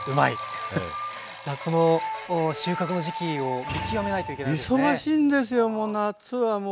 じゃあその収穫の時期を見極めないといけないわけですね。